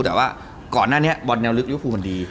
แต่ว่าก่อนหน้านี้บอลแนวลึกยูฟูมันดี